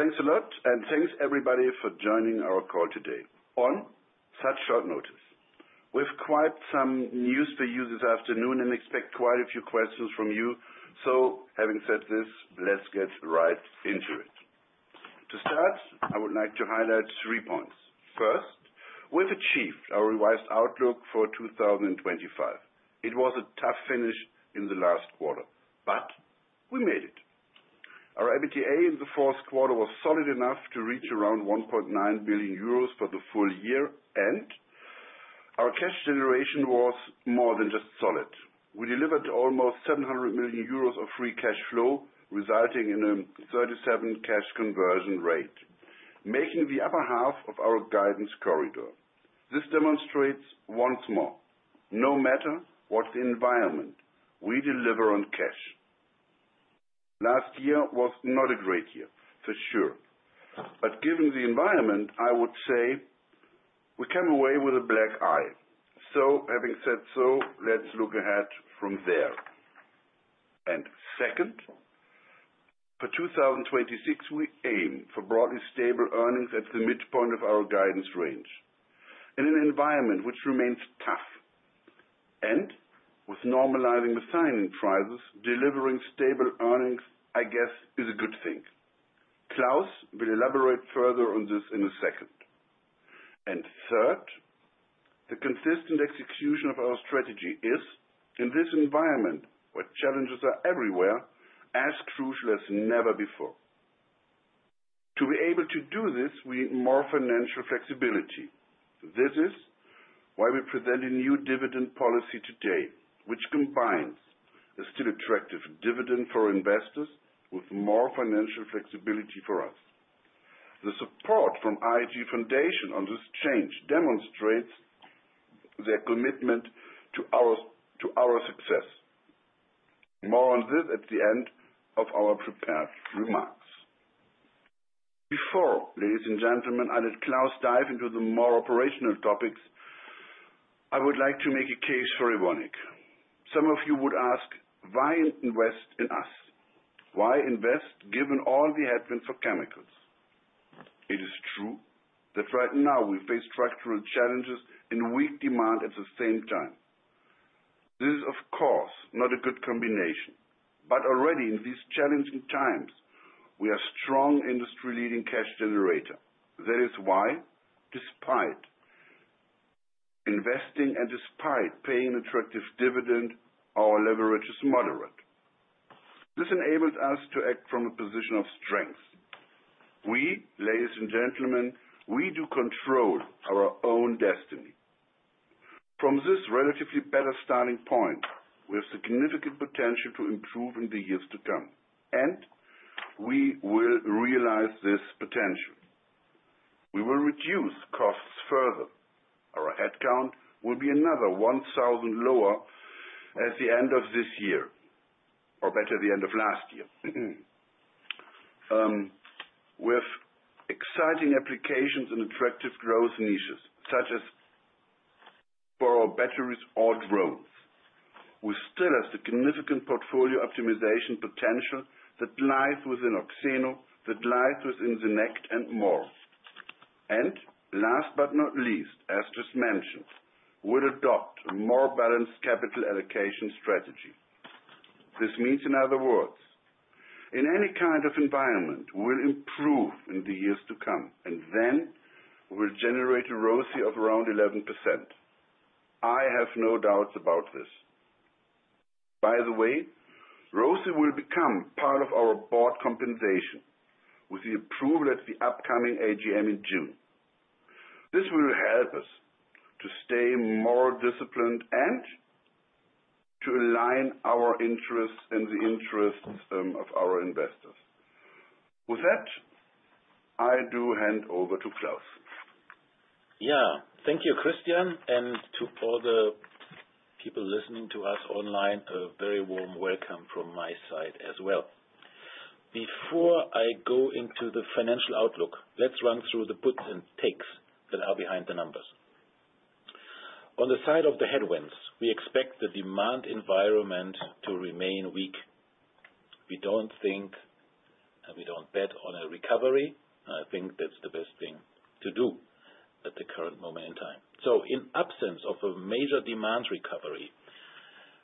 Thanks a lot, and thanks everybody for joining our call today on such short notice. We've quite some news for you this afternoon and expect quite a few questions from you, so having said this, let's get right into it. To start, I would like to highlight three points. First, we've achieved our revised outlook for 2025. It was a tough finish in the last quarter, but we made it. Our adjusted EBITDA in the fourth quarter was solid enough to reach around 1.9 billion euros for the full year, and our cash generation was more than just solid. We delivered almost 700 million euros of free cash flow, resulting in a 37% cash conversion rate, making the upper half of our guidance corridor. This demonstrates once more: no matter what the environment, we deliver on cash. Last year was not a great year, for sure, but given the environment, I would say we came away with a black eye. So having said so, let's look ahead from there. Second, for 2026, we aim for broadly stable earnings at the midpoint of our guidance range in an environment which remains tough. And with normalizing the methionine prices, delivering stable earnings, I guess, is a good thing. Claus will elaborate further on this in a second. And third, the consistent execution of our strategy is, in this environment where challenges are everywhere, as crucial as never before. To be able to do this, we need more financial flexibility. This is why we present a new dividend policy today, which combines a still attractive dividend for investors with more financial flexibility for us. The support from RAG Foundation on this change demonstrates their commitment to our success. More on this at the end of our prepared remarks. Before, ladies and gentlemen, I let Claus dive into the more operational topics, I would like to make a case for Evonik. Some of you would ask, why invest in us? Why invest given all the headwinds for chemicals? It is true that right now we face structural challenges and weak demand at the same time. This is, of course, not a good combination, but already in these challenging times, we are a strong industry-leading cash generator. That is why, despite investing and despite paying an attractive dividend, our leverage is moderate. This enables us to act from a position of strength. We, ladies and gentlemen, we do control our own destiny. From this relatively better starting point, we have significant potential to improve in the years to come, and we will realize this potential. We will reduce costs further. Our headcount will be another 1,000 lower at the end of this year, or better, the end of last year, with exciting applications in attractive growth niches such as power batteries or drones. We still have significant portfolio optimization potential that lies within Oxeno, that lies within Superabsorbents, and more. Last but not least, as just mentioned, we'll adopt a more balanced capital allocation strategy. This means, in other words, in any kind of environment, we'll improve in the years to come, and then we'll generate a ROCE of around 11%. I have no doubts about this. By the way, ROCE will become part of our board compensation with the approval at the upcoming AGM in June. This will help us to stay more disciplined and to align our interests and the interests of our investors. With that, I do hand over to Claus. Yeah. Thank you, Christian. And to all the people listening to us online, a very warm welcome from my side as well. Before I go into the financial outlook, let's run through the puts and takes that are behind the numbers. On the side of the headwinds, we expect the demand environment to remain weak. We don't think and we don't bet on a recovery. I think that's the best thing to do at the current moment in time. So in absence of a major demand recovery,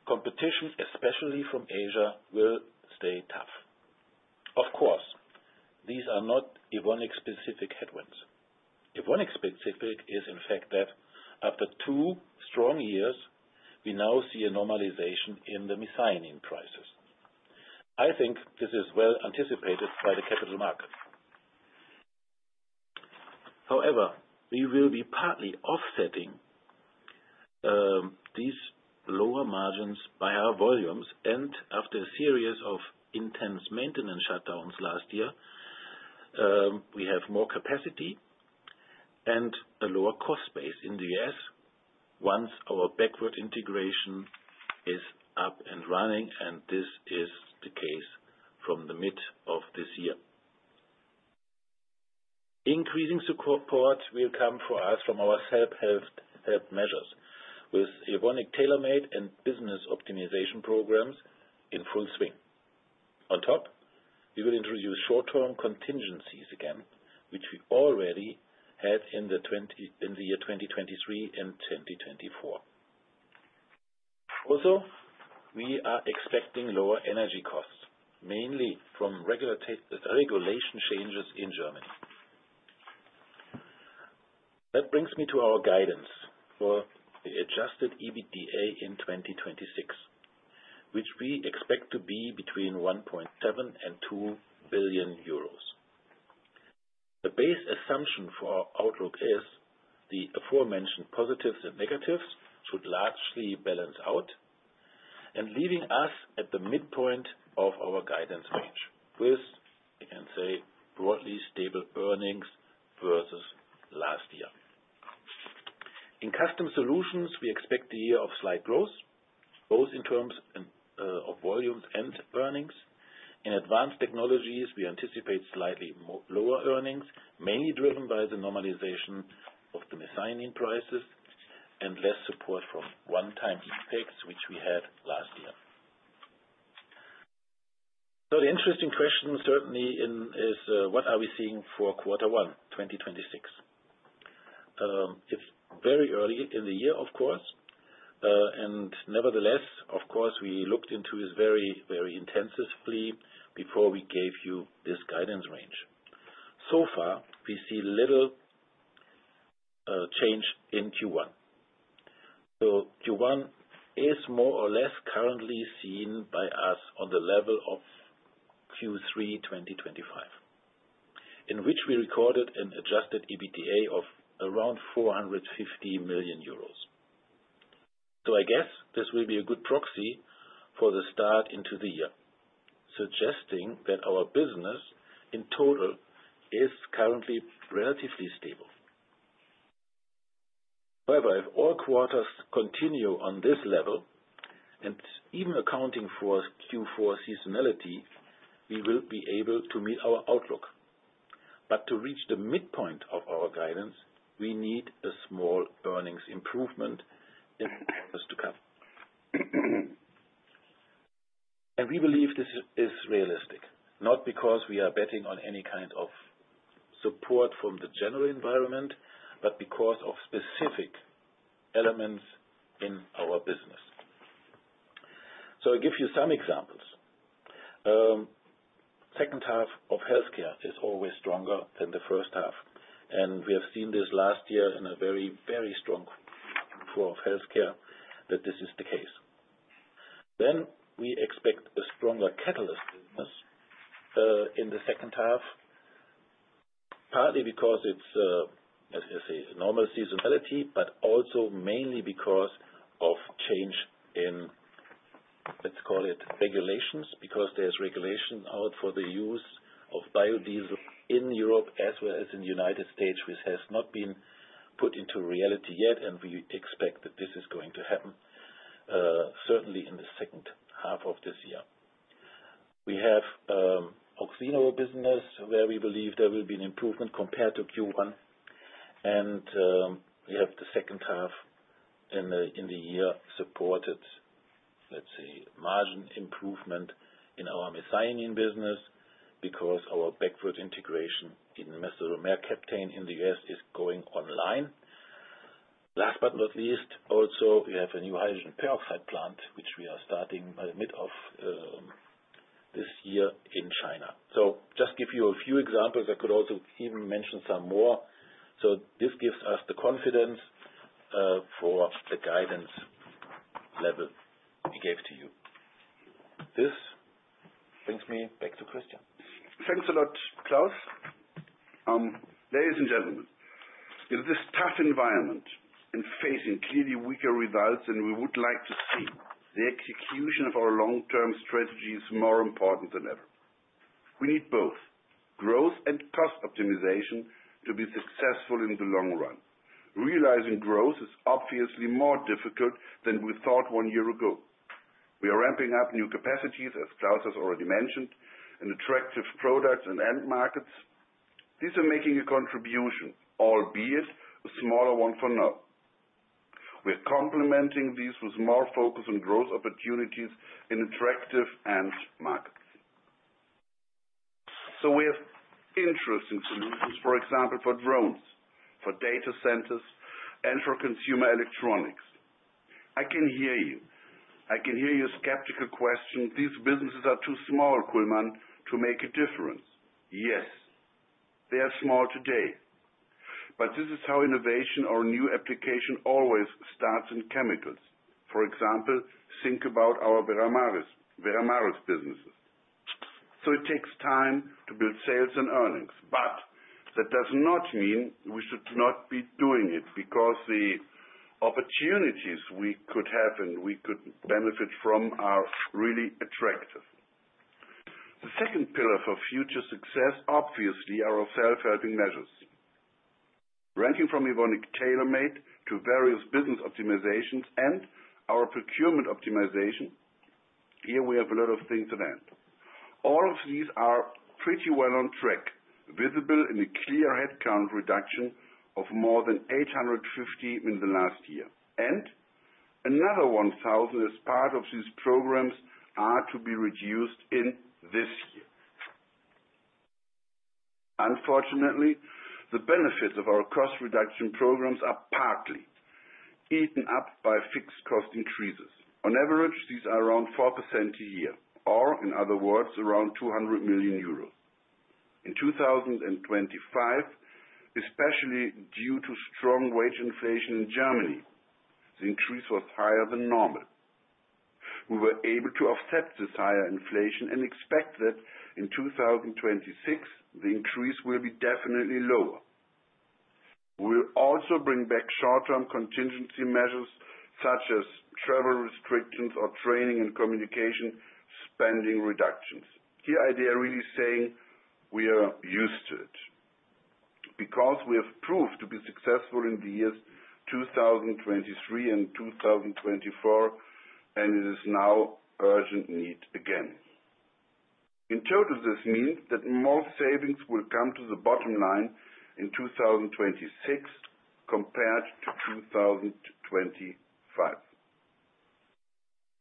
competition, especially from Asia, will stay tough. Of course, these are not Evonik-specific headwinds. Evonik-specific is, in fact, that after two strong years, we now see a normalization in the methionine prices. I think this is well anticipated by the capital markets. However, we will be partly offsetting these lower margins by our volumes. After a series of intense maintenance shutdowns last year, we have more capacity and a lower cost base in the US once our backward integration is up and running, and this is the case from the mid of this year. Increasing support will come for us from our self-help measures with Evonik Tailor-Made and business optimization programs in full swing. On top, we will introduce short-term contingencies again, which we already had in the year 2023 and 2024. Also, we are expecting lower energy costs, mainly from regulation changes in Germany. That brings me to our guidance for the Adjusted EBITDA in 2026, which we expect to be between 1.7 billion and 2 billion euros. The base assumption for our outlook is the aforementioned positives and negatives should largely balance out and leave us at the midpoint of our guidance range with, I can say, broadly stable earnings versus last year. In custom solutions, we expect a year of slight growth, both in terms of volumes and earnings. In advanced technologies, we anticipate slightly lower earnings, mainly driven by the normalization of the methionine prices and less support from one-time effects, which we had last year. The interesting question, certainly, is what are we seeing for quarter one, 2026? It's very early in the year, of course. Nevertheless, of course, we looked into this very, very intensively before we gave you this guidance range. So far, we see little change in Q1. Q1 is more or less currently seen by us on the level of Q3 2025, in which we recorded an adjusted EBITDA of around 450 million euros. I guess this will be a good proxy for the start into the year, suggesting that our business, in total, is currently relatively stable. However, if all quarters continue on this level, and even accounting for Q4 seasonality, we will be able to meet our outlook. To reach the midpoint of our guidance, we need a small earnings improvement in the quarters to come. We believe this is realistic, not because we are betting on any kind of support from the general environment, but because of specific elements in our business. I'll give you some examples. The second half of healthcare is always stronger than the first half, and we have seen this last year in a very, very strong Q4 of healthcare that this is the case. Then we expect a stronger catalyst business in the second half, partly because it's, as I say, normal seasonality, but also mainly because of change in, let's call it, regulations, because there's regulation out for the use of biodiesel in Europe as well as in the United States, which has not been put into reality yet, and we expect that this is going to happen, certainly in the second half of this year. We have Oxeno business where we believe there will be an improvement compared to Q1. We have the second half in the year supported, let's say, margin improvement in our Methionine business because our backward integration in Methyl mercaptan in the US is going online. Last but not least, also, we have a new hydrogen peroxide plant, which we are starting by the mid of this year in China. Just to give you a few examples, I could also even mention some more. This gives us the confidence for the guidance level we gave to you. This brings me back to Christian. Thanks a lot, Claus. Ladies and gentlemen, in this tough environment and facing clearly weaker results than we would like to see, the execution of our long-term strategy is more important than ever. We need both growth and cost optimization to be successful in the long run. Realizing growth is obviously more difficult than we thought one year ago. We are ramping up new capacities, as Claus has already mentioned, in attractive products and end markets. These are making a contribution, albeit a smaller one for now. We are complementing these with more focus on growth opportunities in attractive end markets. So we have interesting solutions, for example, for drones, for data centers, and for consumer electronics. I can hear you. I can hear your skeptical question. These businesses are too small, Kullmann, to make a difference. Yes, they are small today. But this is how innovation or new application always starts in chemicals. For example, think about our Veramaris businesses. So it takes time to build sales and earnings, but that does not mean we should not be doing it because the opportunities we could have and we could benefit from are really attractive. The second pillar for future success, obviously, are our self-helping measures. Ranging from Evonik Tailor-Made to various business optimizations and our procurement optimization, here, we have a lot of things at hand. All of these are pretty well on track, visible in a clear headcount reduction of more than 850 in the last year. And another 1,000 as part of these programs are to be reduced in this year. Unfortunately, the benefits of our cost reduction programs are partly eaten up by fixed cost increases. On average, these are around 4% a year, or in other words, around 200 million euros. In 2025, especially due to strong wage inflation in Germany, the increase was higher than normal. We were able to offset this higher inflation and expect that in 2026, the increase will be definitely lower. We will also bring back short-term contingency measures such as travel restrictions or training and communication spending reductions. Here, Idea really is saying we are used to it because we have proved to be successful in the years 2023 and 2024, and it is now an urgent need again. In total, this means that more savings will come to the bottom line in 2026 compared to 2025.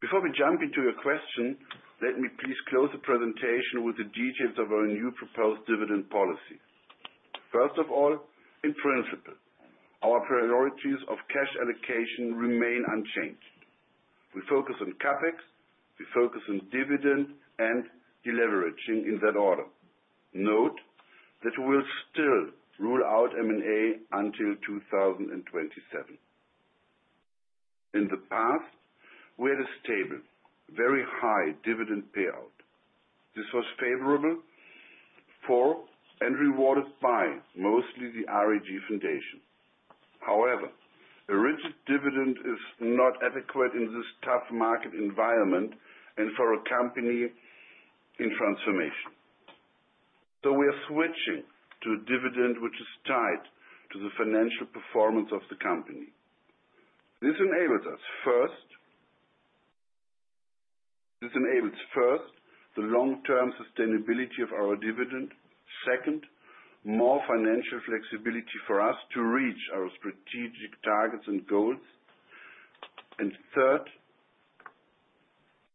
Before we jump into your question, let me please close the presentation with the details of our new proposed dividend policy. First of all, in principle, our priorities of cash allocation remain unchanged. We focus on CapEx. We focus on dividend and deleveraging in that order. Note that we will still rule out M&A until 2027. In the past, we had a stable, very high dividend payout. This was favorable for and rewarded by mostly the RAG Foundation. However, a rigid dividend is not adequate in this tough market environment and for a company in transformation. We are switching to a dividend which is tied to the financial performance of the company. This enables us, first, this enables, first, the long-term sustainability of our dividend. Second, more financial flexibility for us to reach our strategic targets and goals. And third,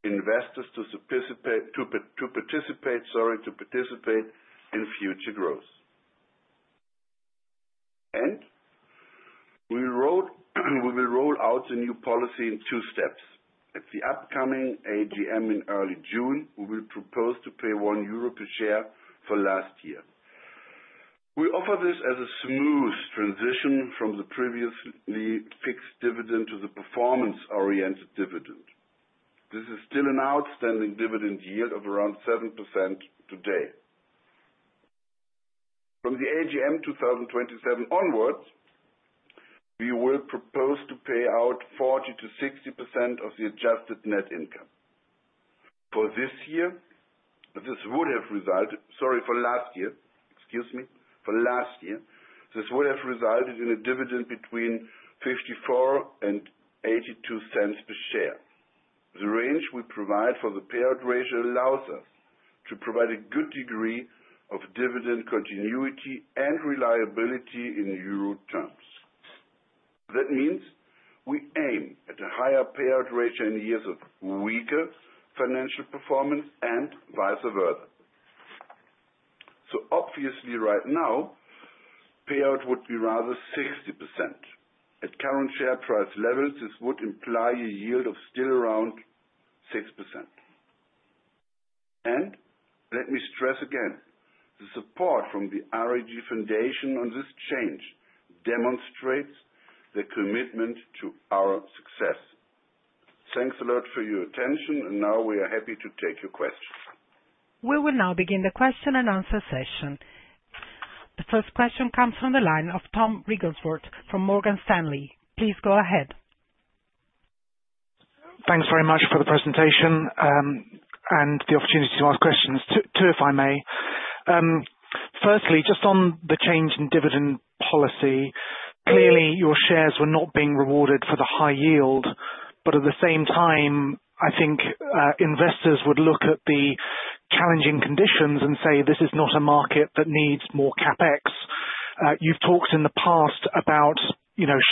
investors to participate to participate, sorry, to participate in future growth. We will roll out the new policy in two steps. At the upcoming AGM in early June, we will propose to pay 1 euro per share for last year. We offer this as a smooth transition from the previously fixed dividend to the performance-oriented dividend. This is still an outstanding dividend yield of around 7% today. From the AGM 2027 onwards, we will propose to pay out 40%-60% of the adjusted net income. For this year, this would have resulted sorry, for last year. Excuse me. For last year, this would have resulted in a dividend between 0.54 and 0.82 per share. The range we provide for the payout ratio allows us to provide a good degree of dividend continuity and reliability in euro terms. That means we aim at a higher payout ratio in years of weaker financial performance and vice versa. So obviously, right now, payout would be rather 60%. At current share price levels, this would imply a yield of still around 6%. Let me stress again, the support from the RAG Foundation on this change demonstrates the commitment to our success. Thanks a lot for your attention, and now we are happy to take your questions. We will now begin the question-and-answer session. The first question comes from the line of Tom Wrigglesworth from Morgan Stanley. Please go ahead. Thanks very much for the presentation and the opportunity to ask questions, two, if I may. Firstly, just on the change in dividend policy, clearly, your shares were not being rewarded for the high yield. But at the same time, I think investors would look at the challenging conditions and say, "This is not a market that needs more CapEx." You've talked in the past about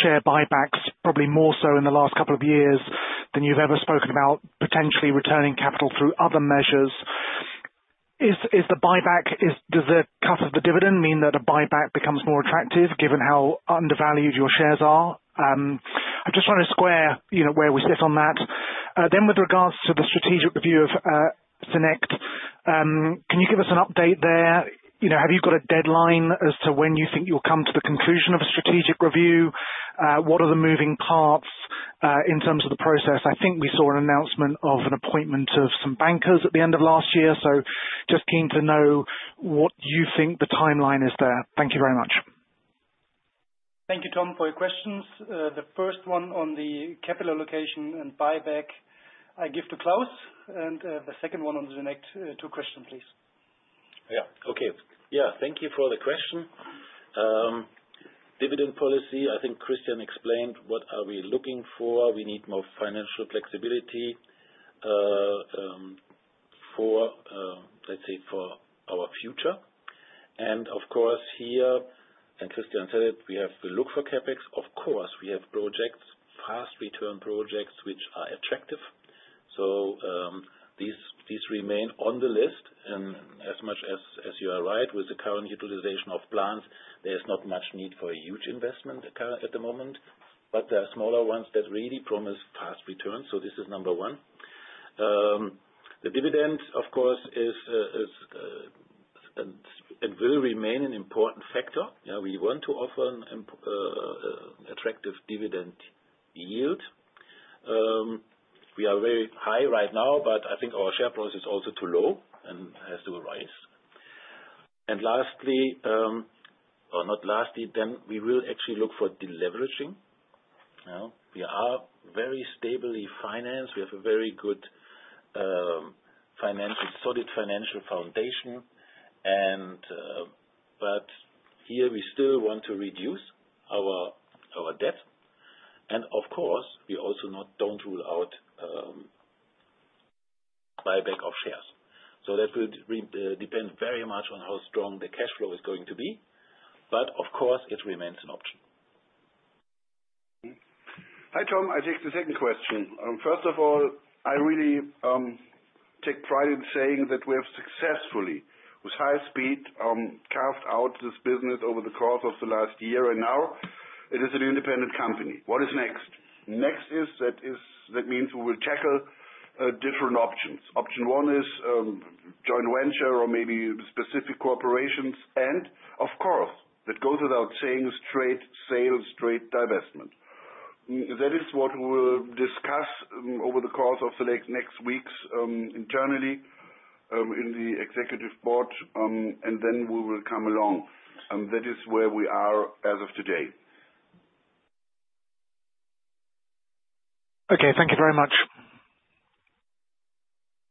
share buybacks, probably more so in the last couple of years than you've ever spoken about potentially returning capital through other measures. Does the cut of the dividend mean that a buyback becomes more attractive given how undervalued your shares are? I just want to square where we sit on that. Then with regards to the strategic review of Superabsorbents, can you give us an update there? Have you got a deadline as to when you think you'll come to the conclusion of a strategic review? What are the moving parts in terms of the process? I think we saw an announcement of an appointment of some bankers at the end of last year. So just keen to know what you think the timeline is there. Thank you very much. Thank you, Tom, for your questions. The first one on the capital allocation and buyback, I give to Claus. And the second one on the superabsorbents, two questions, please. Yeah. Okay. Yeah. Thank you for the question. Dividend policy, I think Christian explained, what are we looking for? We need more financial flexibility, let's say, for our future. And of course, here - and Christian said it - we have to look for CapEx. Of course, we have projects, fast-return projects, which are attractive. So these remain on the list. And as much as you are right, with the current utilization of plants, there is not much need for a huge investment at the moment. But there are smaller ones that really promise fast returns. So this is number one. The dividend, of course, is and will remain an important factor. We want to offer an attractive dividend yield. We are very high right now, but I think our share price is also too low and has to rise. And lastly or not lastly, then we will actually look for deleveraging. We are very stably financed. We have a very good solid financial foundation. But here, we still want to reduce our debt. And of course, we also don't rule out buyback of shares. So that will depend very much on how strong the cash flow is going to be. But of course, it remains an option. Hi, Tom. I take the second question. First of all, I really take pride in saying that we have successfully, with high speed, carved out this business over the course of the last year. Now, it is an independent company. What is next? Next means we will tackle different options. Option one is joint venture or maybe specific corporations. Of course, that goes without saying, is straight sales, straight divestment. That is what we will discuss over the course of the next weeks internally in the executive board. Then we will come along. That is where we are as of today. Okay. Thank you very much.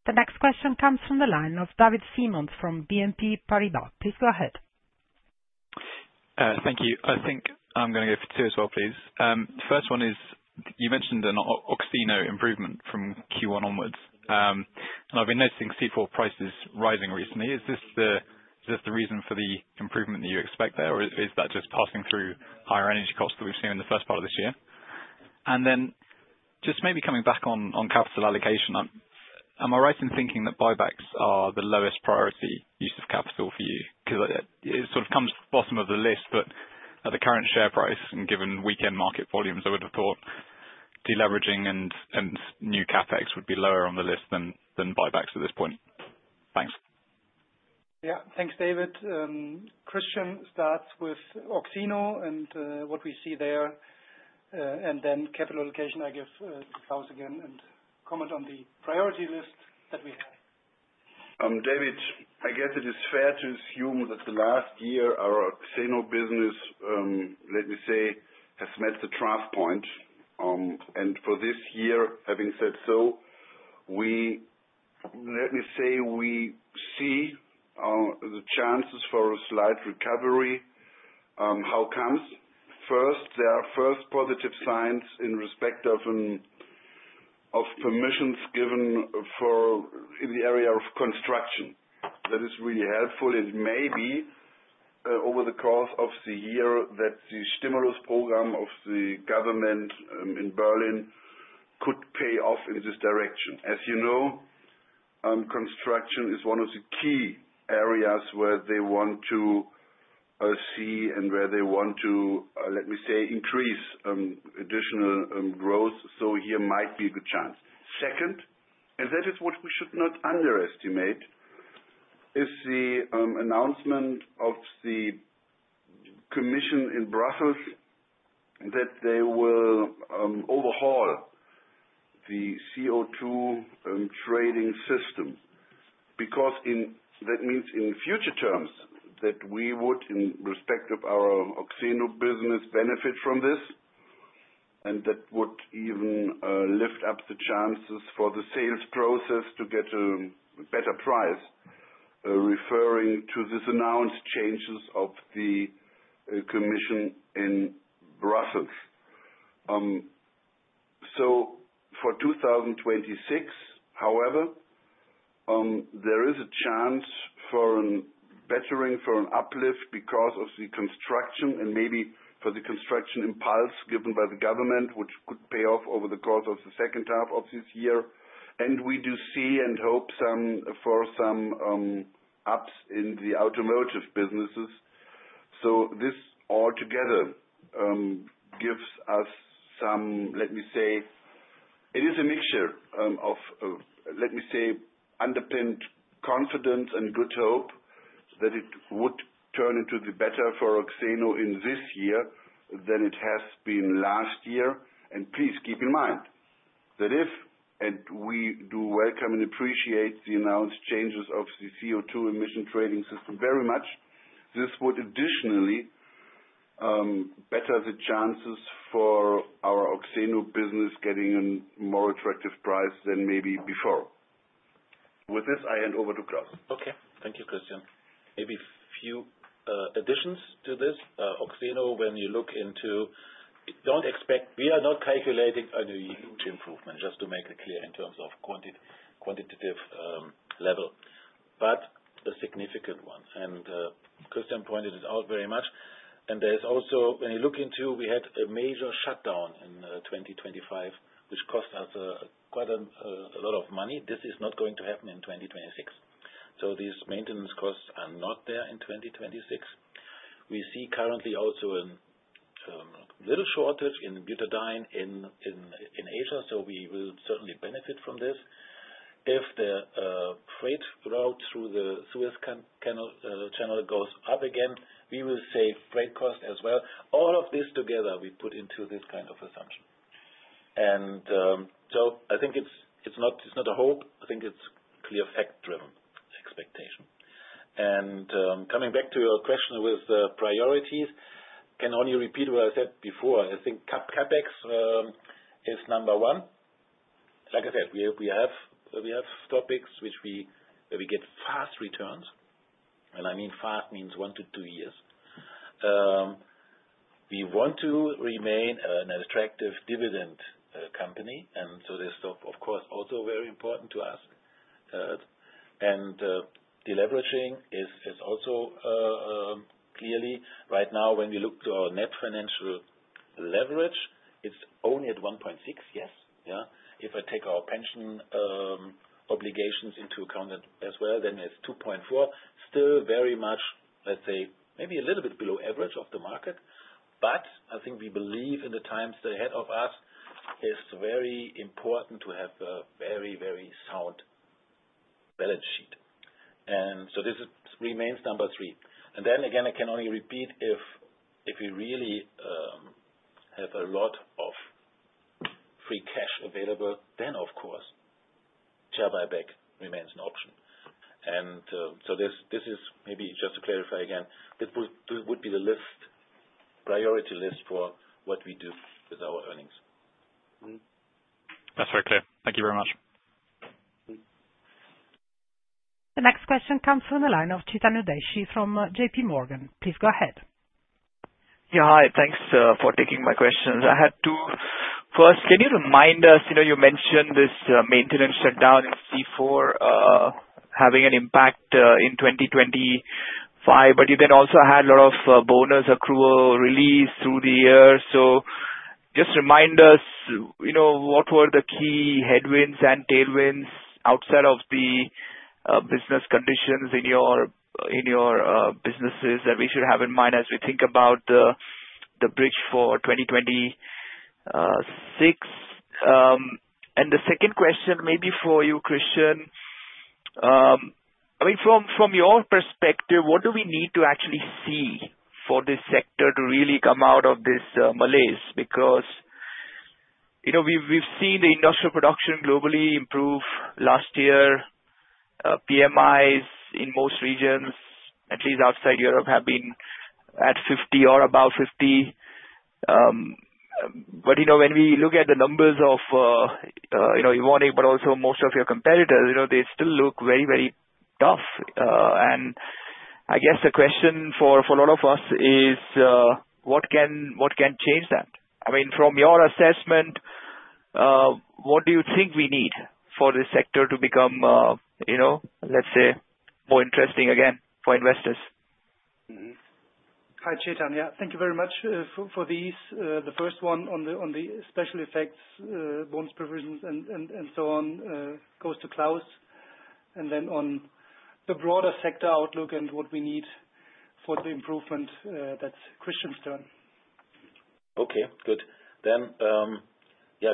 The next question comes from the line of David Siemons from BNP Paribas. Please go ahead. Thank you. I think I'm going to go for two as well, please. The first one is you mentioned an Oxeno improvement from Q1 onwards. I've been noticing C4 prices rising recently. Is this the reason for the improvement that you expect there, or is that just passing through higher energy costs that we've seen in the first part of this year? Then just maybe coming back on capital allocation, am I right in thinking that buybacks are the lowest priority use of capital for you? Because it sort of comes to the bottom of the list, but at the current share price and given weekend market volumes, I would have thought deleveraging and new CapEx would be lower on the list than buybacks at this point. Thanks. Yeah. Thanks, David. Christian starts with Oxeno and what we see there. Then capital allocation, I give to Claus again and comment on the priority list that we have. David, I guess it is fair to assume that the last year, our Oxeno business, let me say, has met the trough point. And for this year, having said so, let me say we see the chances for a slight recovery. How come? First, there are first positive signs in respect of permissions given in the area of construction. That is really helpful. And maybe over the course of the year, that the stimulus program of the government in Berlin could pay off in this direction. As you know, construction is one of the key areas where they want to see and where they want to, let me say, increase additional growth. So here might be a good chance. Second, and that is what we should not underestimate, is the announcement of the commission in Brussels that they will overhaul the CO2 trading system. That means in future terms that we would, in respect of our Oxeno business, benefit from this. And that would even lift up the chances for the sales process to get a better price, referring to these announced changes of the commission in Brussels. So for 2026, however, there is a chance for an uplift because of the construction and maybe for the construction impulse given by the government, which could pay off over the course of the second half of this year. And we do see and hope for some ups in the automotive businesses. So this altogether gives us some, let me say it is a mixture of, let me say, underpinned confidence and good hope that it would turn into the better for Oxeno in this year than it has been last year. Please keep in mind that if and we do welcome and appreciate the announced changes of the CO2 emission trading system very much. This would additionally better the chances for our Oxeno business getting a more attractive price than maybe before. With this, I hand over to Claus. Okay. Thank you, Christian. Maybe a few additions to this. Oxeno, when you look into, don't expect we are not calculating a huge improvement, just to make it clear in terms of quantitative level, but a significant one. And Christian pointed it out very much. And there is also, when you look into, we had a major shutdown in 2025, which cost us quite a lot of money. This is not going to happen in 2026. So these maintenance costs are not there in 2026. We see currently also a little shortage in butadiene in Asia. So we will certainly benefit from this. If the freight route through the Suez Canal goes up again, we will save freight costs as well. All of this together, we put into this kind of assumption. And so I think it's not a hope. I think it's clear fact-driven expectation. Coming back to your question with priorities, can only repeat what I said before. I think CapEx is number one. Like I said, we have topics where we get fast returns. And I mean fast means 1-2 years. We want to remain an attractive dividend company. And so this is, of course, also very important to us. And deleveraging is also clearly right now, when we look to our net financial leverage, it's only at 1.6, yes. Yeah. If I take our pension obligations into account as well, then it's 2.4. Still very much, let's say, maybe a little bit below average of the market. But I think we believe in the times ahead of us, it's very important to have a very, very sound balance sheet. And so this remains number three. Then again, I can only repeat, if we really have a lot of free cash available, then, of course, share buyback remains an option. So this is maybe just to clarify again, this would be the priority list for what we do with our earnings. That's very clear. Thank you very much. The next question comes from the line of Chetan Udeshi from J.P. Morgan. Please go ahead. Yeah. Hi. Thanks for taking my questions. First, can you remind us you mentioned this maintenance shutdown in C4 having an impact in 2025, but you then also had a lot of bonus accrual release through the year. So just remind us what were the key headwinds and tailwinds outside of the business conditions in your businesses that we should have in mind as we think about the bridge for 2026? And the second question maybe for you, Christian. I mean, from your perspective, what do we need to actually see for this sector to really come out of this malaise? Because we've seen the industrial production globally improve last year. PMIs in most regions, at least outside Europe, have been at 50 or about 50. But when we look at the numbers of Evonik, but also most of your competitors, they still look very, very tough. I guess the question for a lot of us is, what can change that? I mean, from your assessment, what do you think we need for this sector to become, let's say, more interesting again for investors? Hi, Chetan. Yeah. Thank you very much for these. The first one on the special effects, bonus provisions, and so on goes to Claus. And then on the broader sector outlook and what we need for the improvement, that's Christian's turn. Okay. Good. Then, yeah,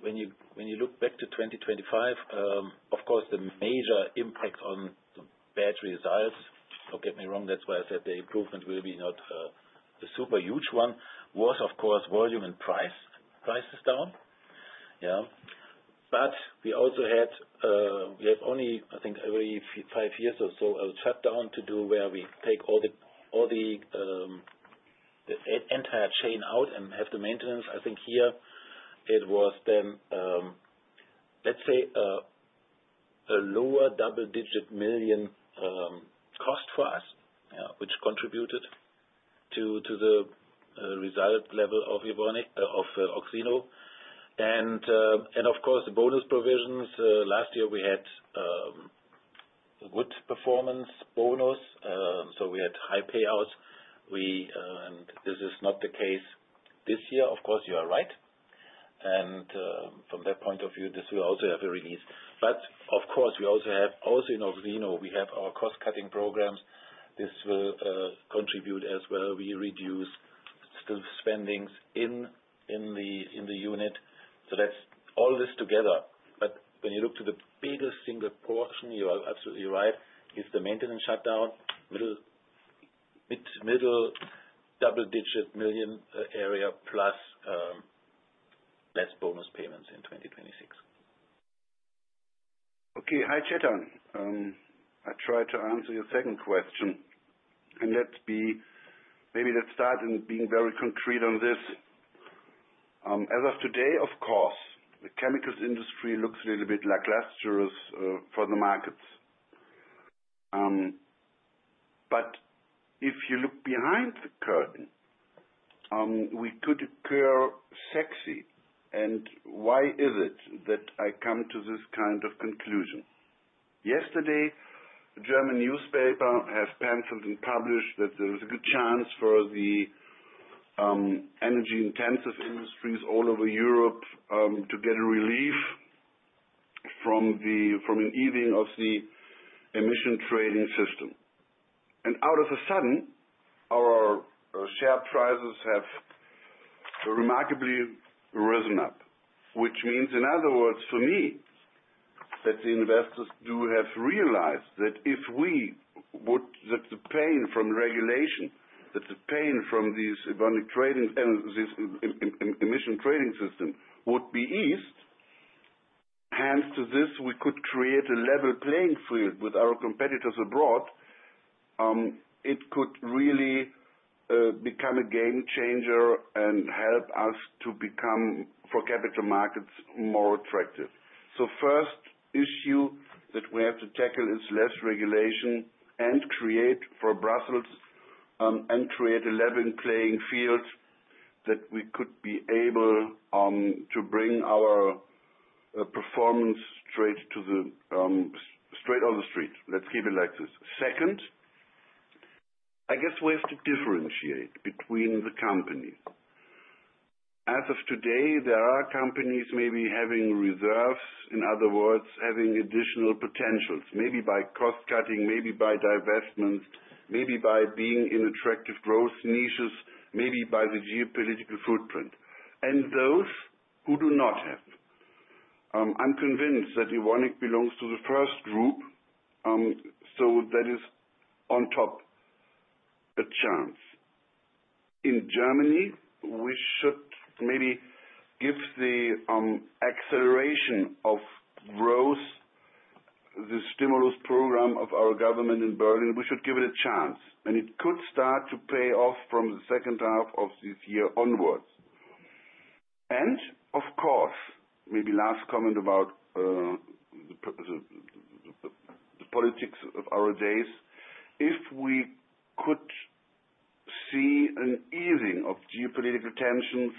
when you look back to 2025, of course, the major impact on bad results - don't get me wrong, that's why I said the improvement will be not a super huge one - was, of course, volume and price. Price is down. Yeah. But we also had we have only, I think, every 5 years or so, a shutdown to do where we take all the entire chain out and have the maintenance. I think here, it was then, let's say, a lower double-digit million EUR cost for us, which contributed to the result level of Oxeno. And of course, the bonus provisions. Last year, we had a good performance bonus. So we had high payouts. And this is not the case this year. Of course, you are right. And from that point of view, this will also have a release. But of course, we also have also in Oxeno, we have our cost-cutting programs. This will contribute as well. We reduce spending in the unit. So all this together. But when you look to the biggest single portion, you are absolutely right, is the maintenance shutdown, middle double-digit million EUR area plus less bonus payments in 2026. Okay. Hi, Chetan. I tried to answer your second question. And maybe let's start by being very concrete on this. As of today, of course, the chemicals industry looks a little bit lackluster for the markets. But if you look behind the curtain, we could look sexy. And why is it that I come to this kind of conclusion? Yesterday, a German newspaper has picked up and published that there was a good chance for the energy-intensive industries all over Europe to get a relief from an easing of the emission trading system. And all of a sudden, our share prices have remarkably risen, which means, in other words, for me, that the investors do have realized that if the pain from regulation, that the pain from this EU emission trading system would be eased. Hence, to this, we could create a level playing field with our competitors abroad. It could really become a game changer and help us to become for capital markets more attractive. So first issue that we have to tackle is less regulation and create for Brussels and create a level playing field that we could be able to bring our performance straight on the street. Let's keep it like this. Second, I guess we have to differentiate between the companies. As of today, there are companies maybe having reserves, in other words, having additional potentials, maybe by cost-cutting, maybe by divestments, maybe by being in attractive growth niches, maybe by the geopolitical footprint. And those who do not have, I'm convinced that Evonik belongs to the first group. So that is on top, a chance. In Germany, we should maybe give the acceleration of growth, the stimulus program of our government in Berlin, a chance. We should give it a chance. It could start to pay off from the second half of this year onwards. Of course, maybe last comment about the politics of our days. If we could see an easing of geopolitical tensions,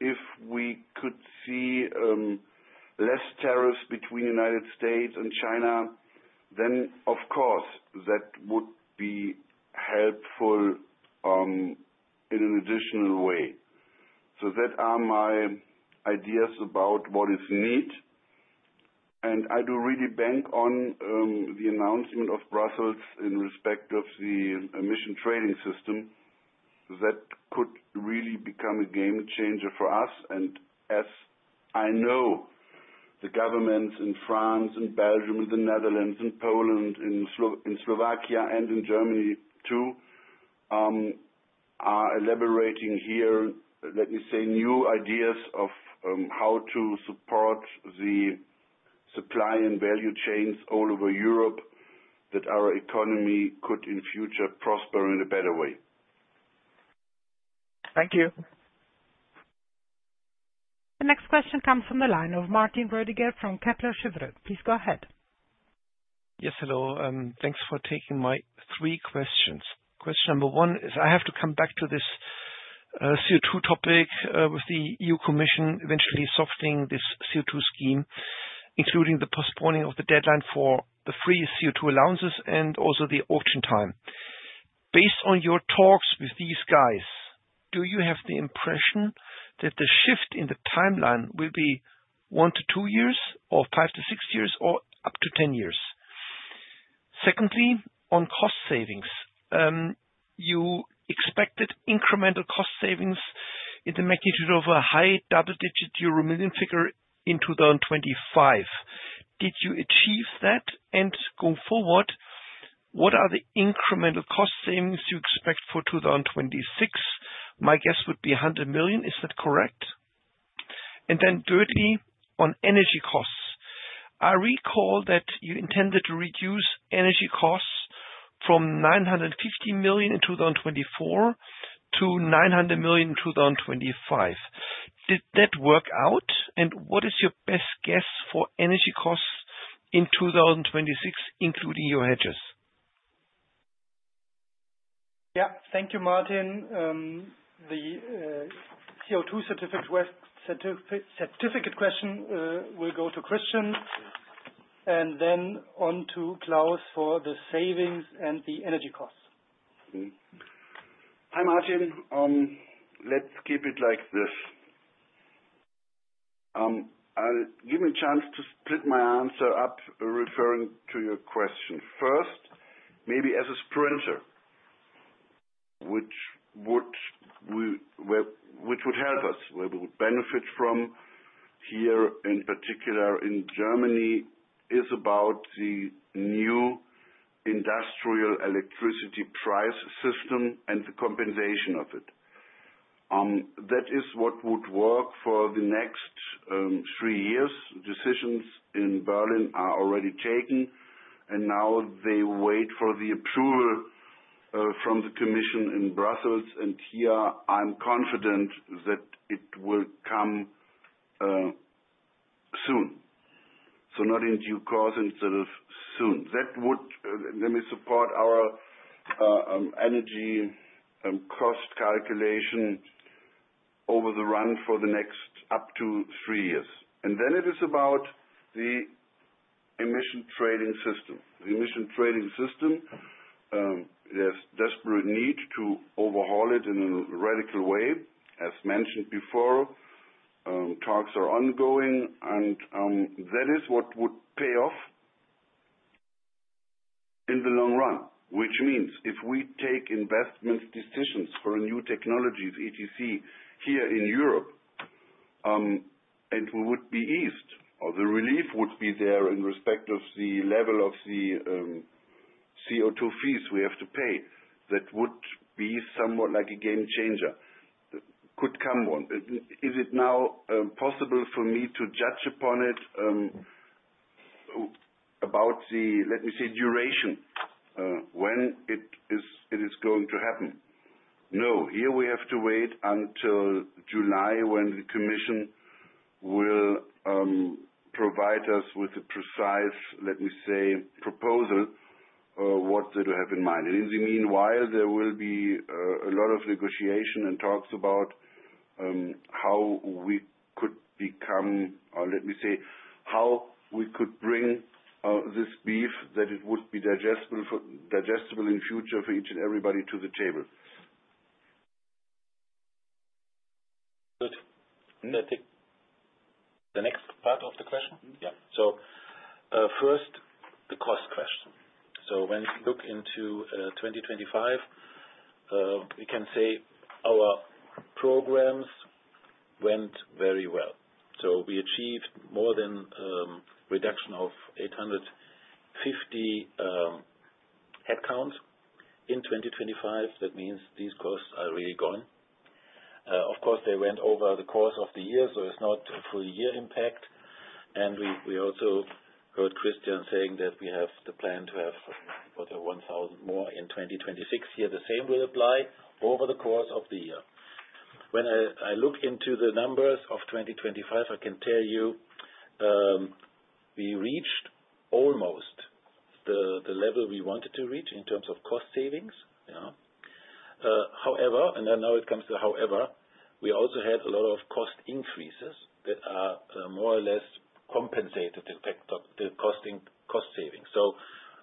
if we could see less tariffs between the United States and China, then, of course, that would be helpful in an additional way. So that are my ideas about what is need. I do really bank on the announcement of Brussels in respect of the emission trading system that could really become a game changer for us. As I know, the governments in France and Belgium and the Netherlands and Poland and Slovakia and in Germany too are elaborating here, let me say, new ideas of how to support the supply and value chains all over Europe that our economy could, in future, prosper in a better way. Thank you. The next question comes from the line of Martin Roediger from Kepler Chevreux. Please go ahead. Yes. Hello. Thanks for taking my 3 questions. Question number one is, I have to come back to this CO2 topic with the EU Commission eventually softening this CO2 scheme, including the postponing of the deadline for the free CO2 allowances and also the auction time. Based on your talks with these guys, do you have the impression that the shift in the timeline will be 1-2 years or 5-6 years or up to 10 years? Secondly, on cost savings, you expected incremental cost savings in the magnitude of a high double-digit euro million figure in 2025. Did you achieve that? And going forward, what are the incremental cost savings you expect for 2026? My guess would be 100 million. Is that correct? And then thirdly, on energy costs. I recall that you intended to reduce energy costs from 950 million in 2024 to 900 million in 2025. Did that work out? And what is your best guess for energy costs in 2026, including your hedges? Yeah. Thank you, Martin. The CO2 certificate question will go to Christian and then on to Claus for the savings and the energy costs. Hi, Martin. Let's keep it like this. Give me a chance to split my answer up referring to your question. First, maybe as a sprinter, which would help us, where we would benefit from here in particular in Germany, is about the new industrial electricity price system and the compensation of it. That is what would work for the next three years. Decisions in Berlin are already taken. Now they wait for the approval from the Commission in Brussels. And here, I'm confident that it will come soon. So not in due course instead of soon. That would, let me, support our energy cost calculation over the run for the next up to three years. Then it is about the emission trading system. The emission trading system, there's desperate need to overhaul it in a radical way. As mentioned before, talks are ongoing. And that is what would pay off in the long run, which means if we take investment decisions for new technologies, etc., here in Europe, it would be eased or the relief would be there in respect of the level of the CO2 fees we have to pay. That would be somewhat like a game changer. Could come one. Is it now possible for me to judge upon it about the, let me say, duration, when it is going to happen? No. Here, we have to wait until July when the Commission will provide us with a precise, let me say, proposal of what they do have in mind. In the meanwhile, there will be a lot of negotiation and talks about how we could become or let me say, how we could bring this beef that it would be digestible in future for each and everybody to the table. Good. The next part of the question? Yeah. So first, the cost question. So when you look into 2025, we can say our programs went very well. So we achieved more than reduction of 850 headcounts in 2025. That means these costs are really gone. Of course, they went over the course of the year. So it's not a full-year impact. And we also heard Christian saying that we have the plan to have about 1,000 more in 2026. Here, the same will apply over the course of the year. When I look into the numbers of 2025, I can tell you we reached almost the level we wanted to reach in terms of cost savings. Yeah. However, and now it comes to however, we also had a lot of cost increases that are more or less compensated, the cost savings. So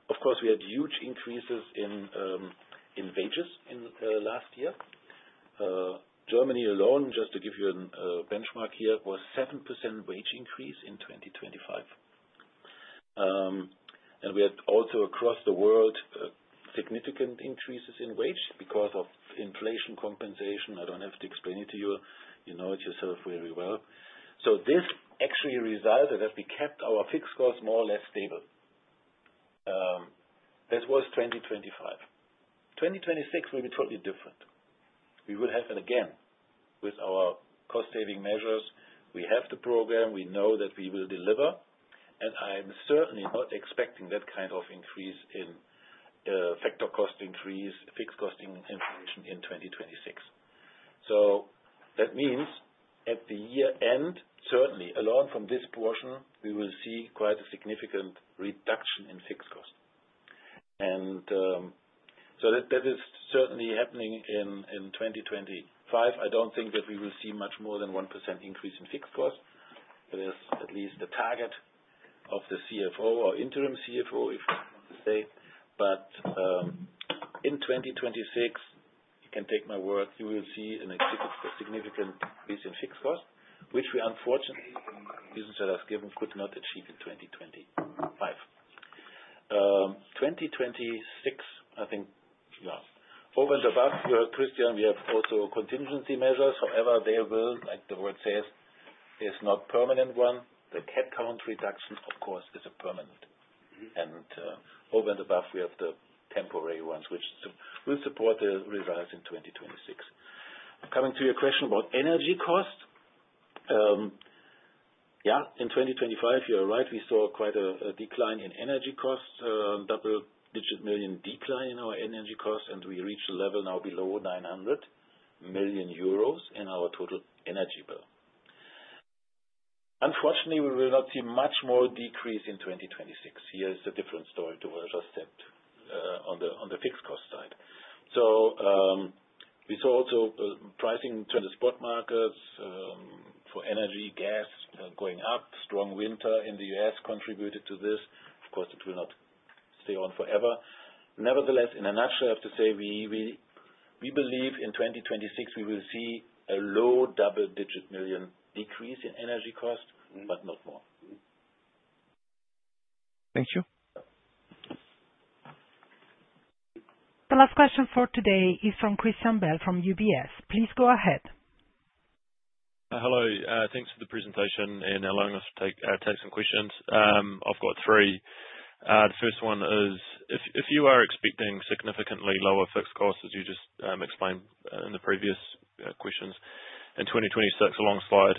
of course, we had huge increases in wages last year. Germany alone, just to give you a benchmark here, was 7% wage increase in 2025. And we had also, across the world, significant increases in wage because of inflation compensation. I don't have to explain it to you. You know it yourself very well. So this actually resulted that we kept our fixed costs more or less stable. This was 2025. 2026 will be totally different. We will have it again with our cost-saving measures. We have the program. We know that we will deliver. And I'm certainly not expecting that kind of increase in factor cost increase, fixed cost inflation in 2026. So that means at the year end, certainly, along from this portion, we will see quite a significant reduction in fixed costs. And so that is certainly happening in 2025. I don't think that we will see much more than 1% increase in fixed costs. That is at least the target of the CFO or interim CFO, if you want to say. But in 2026, you can take my word, you will see a significant increase in fixed costs, which we, unfortunately, the reasons that I've given could not achieve in 2025. 2026, I think, yeah. Over and above, Christian, we have also contingency measures. However, they will, like the word says, is not permanent one. The headcount reduction, of course, is permanent. Over and above, we have the temporary ones, which will support the results in 2026. Coming to your question about energy costs, yeah, in 2025, you are right, we saw quite a decline in energy costs, double-digit million EUR decline in our energy costs. We reached a level now below 900 million euros in our total energy bill. Unfortunately, we will not see much more decrease in 2026. Here is a different story to what I just said on the fixed cost side. So we saw also pricing in the spot markets for energy, gas going up. Strong winter in the U.S. contributed to this. Of course, it will not stay on forever. Nevertheless, in a nutshell, I have to say, we believe in 2026, we will see a low double-digit million EUR decrease in energy costs, but not more. Thank you. The last question for today is from Christian Bell from UBS. Please go ahead. Hello. Thanks for the presentation and allowing us to take some questions. I've got three. The first one is, if you are expecting significantly lower fixed costs, as you just explained in the previous questions, in 2026, alongside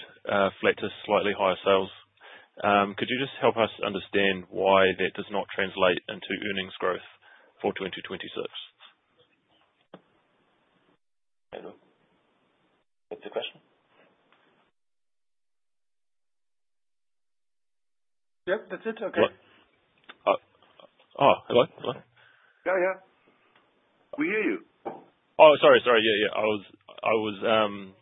flatter, slightly higher sales, could you just help us understand why that does not translate into earnings growth for 2026? Hello. That's the question? Yep. That's it. Okay. Oh. Hello. Hello. Yeah. Yeah. We hear you. Oh. Sorry. Sorry. Yeah. Yeah. I was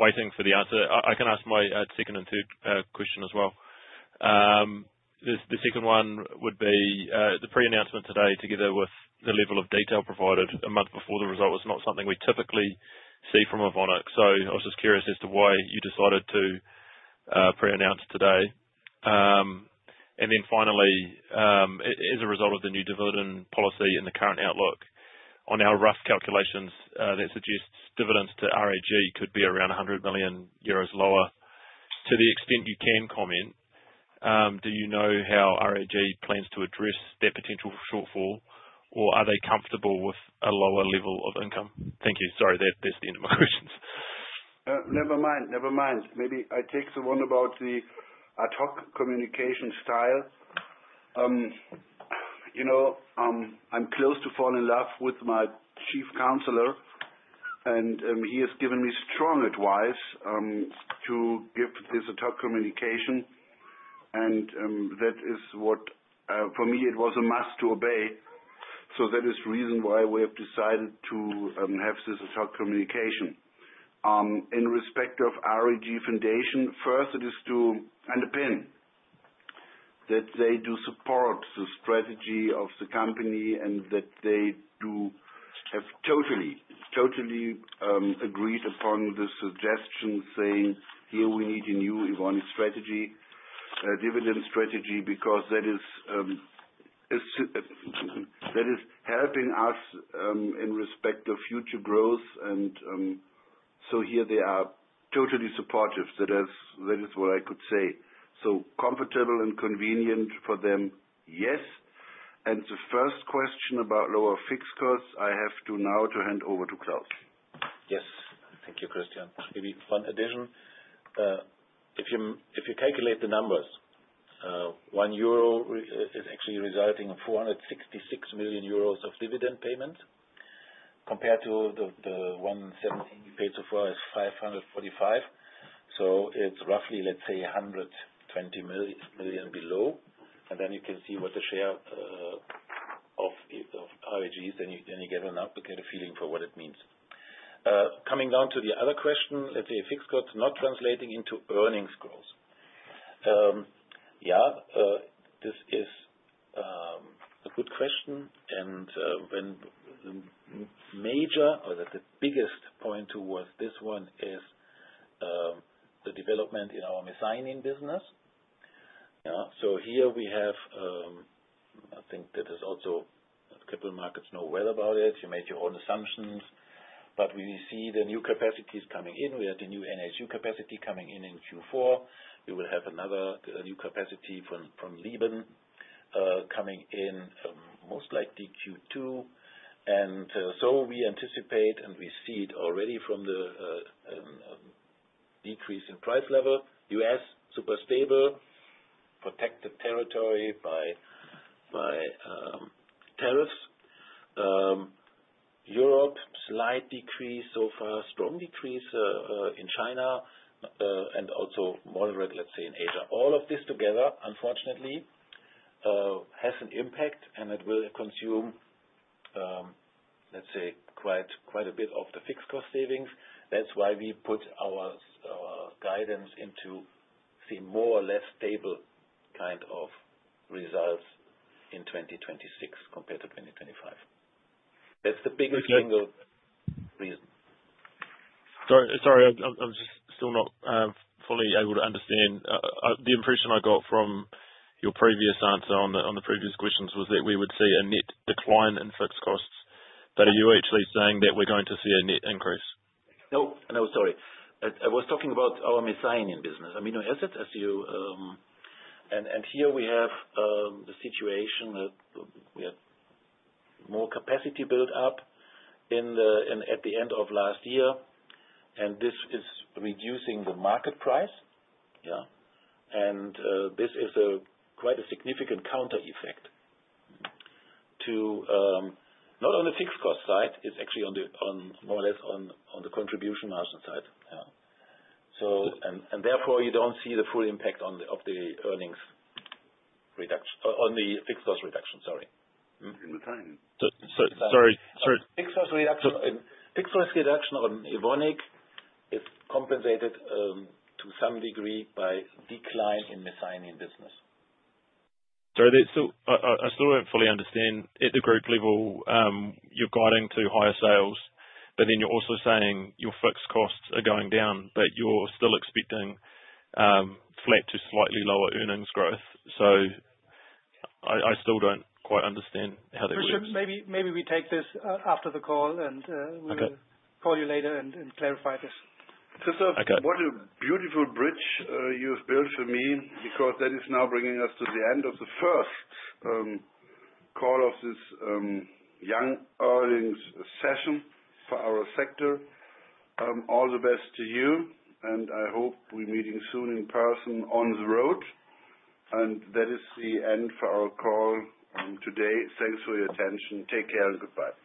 waiting for the answer. I can ask my second and third question as well. The second one would be the pre-announcement today together with the level of detail provided a month before the result was not something we typically see from Evonik. So I was just curious as to why you decided to pre-announce today. And then finally, as a result of the new dividend policy and the current outlook, on our rough calculations, that suggests dividends to RAG could be around 100 million euros lower. To the extent you can comment, do you know how RAG plans to address that potential shortfall, or are they comfortable with a lower level of income? Thank you. Sorry. That's the end of my questions. Never mind. Never mind. Maybe I take the one about the ATOC communication style. I'm close to falling in love with my chief counselor. And he has given me strong advice to give this ATOC communication. And that is what, for me, it was a must to obey. So that is the reason why we have decided to have this ATOC communication. In respect of RAG Foundation, first, it is to underpin that they do support the strategy of the company and that they have totally, totally agreed upon the suggestion saying, "Here, we need a new Evonik strategy, dividend strategy, because that is helping us in respect of future growth." And so here, they are totally supportive. That is what I could say. So comfortable and convenient for them, yes. And the first question about lower fixed costs, I have to now hand over to Claus. Yes. Thank you, Christian. Maybe fun addition. If you calculate the numbers, one EUR is actually resulting in 466 million euros of dividend payments compared to the 117 million we paid so far is 545. So it's roughly, let's say, 120 million below. And then you can see what the share of RAG is. Then you get an updated feeling for what it means. Coming down to the other question, let's say fixed costs not translating into earnings growth. Yeah. This is a good question. And the major or the biggest point towards this one is the development in our methionine business. Yeah. So here, we have I think that is also capital markets know well about it. You made your own assumptions. But we see the new capacities coming in. We had a new methionine capacity coming in in Q4. We will have another new capacity from Liban coming in most likely Q2. So we anticipate, and we see it already from the decrease in price level, US super stable, protected territory by tariffs, Europe, slight decrease so far, strong decrease in China, and also moderate, let's say, in Asia. All of this together, unfortunately, has an impact. It will consume, let's say, quite a bit of the fixed cost savings. That's why we put our guidance into seeing more or less stable kind of results in 2026 compared to 2025. That's the biggest single reason. Sorry. I'm just still not fully able to understand. The impression I got from your previous answer on the previous questions was that we would see a net decline in fixed costs. But are you actually saying that we're going to see a net increase? No. No. Sorry. I was talking about our methionine business, amino acids, as you and here, we have the situation that we had more capacity built up at the end of last year. And this is reducing the market price. Yeah. And this is quite a significant counter effect to not on the fixed cost side. It's actually more or less on the contribution margin side. Yeah. And therefore, you don't see the full impact of the fixed cost reduction. Sorry. In methionine? Sorry. Sorry. Sorry. Fixed cost reduction on Evonik is compensated to some degree by decline in methionine business. Sorry. So I still don't fully understand. At the group level, you're guiding to higher sales. But then you're also saying your fixed costs are going down. But you're still expecting flat to slightly lower earnings growth. So I still don't quite understand how that works. Christian, maybe we take this after the call. We will call you later and clarify this. Christopher, what a beautiful bridge you have built for me because that is now bringing us to the end of the first call of this young earnings session for our sector. All the best to you. I hope we're meeting soon in person on the road. That is the end for our call today. Thanks for your attention. Take care, and goodbye.